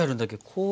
こう。